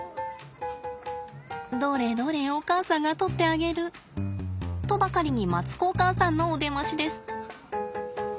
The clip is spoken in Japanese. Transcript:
どれどれお母さんが取ってあげるとばかりにマツコお母さんのお出ましです。